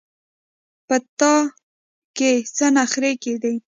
په تا کې څه نخرې کېدې.